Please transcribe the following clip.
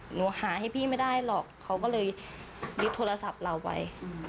หนูหาให้พี่ไม่ได้หรอกเขาก็เลยยึดโทรศัพท์เราไป